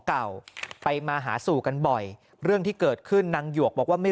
เก่าไปมาหาสู่กันบ่อยเรื่องที่เกิดขึ้นนางหยวกบอกว่าไม่